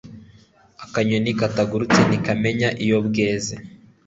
Akanyoni katagurutse ntikamenya iyo bweze